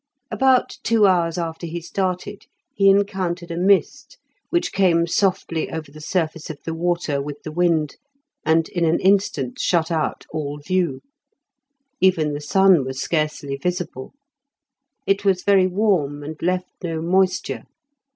About two hours after he started he encountered a mist, which came softly over the surface of the water with the wind, and in an instant shut out all view. Even the sun was scarcely visible. It was very warm, and left no moisture.